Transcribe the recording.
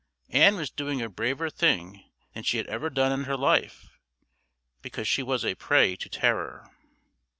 Ann was doing a braver thing than she had ever done in her life, because she was a prey to terror.